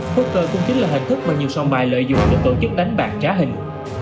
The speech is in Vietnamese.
poker cũng chính là hình thức mà nhiều song bài lợi dụng để tổ chức đánh bạc trá hình